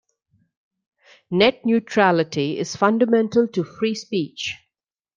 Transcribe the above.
Net neutrality is fundamental to free speech.